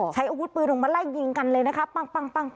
ใช้อาวุธปืนออกมาไล่ยิงกันเลยนะคะปั้ง